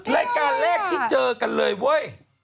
รายการแรกที่เจอกันเลยเว้ย